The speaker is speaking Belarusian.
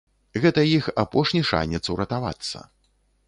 Гэта іх апошні шанец уратавацца.